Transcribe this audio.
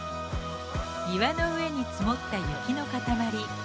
岩の上に積もった雪の塊。